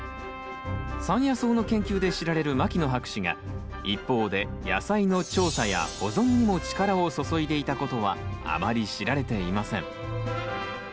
山野草の研究で知られる牧野博士が一方で野菜の調査や保存にも力を注いでいたことはあまり知られていません。